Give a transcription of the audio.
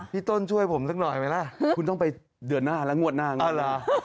พี่ต้นช่วยผมสักหน่อยไหมล่ะคุณต้องไปเดือนหน้าแล้วงวดหน้าไง